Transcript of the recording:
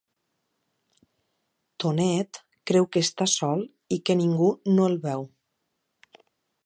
Tonet creu que està sol i que ningú no el veu.